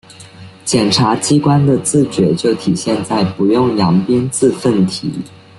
检察机关的自觉就体现在‘不用扬鞭自奋蹄’